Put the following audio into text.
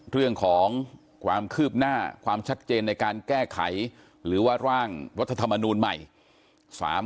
เรื่องของความคืบหน้าความชัดเจนในการแก้ไขหรือว่าร่างรัฐธรรมนูลใหม่